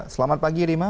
selamat pagi rima